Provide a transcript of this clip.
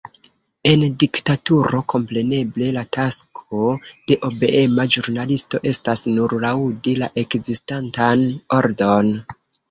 En diktaturo kompreneble la tasko de obeema ĵurnalisto estas nur laŭdi la ekzistantan ordon.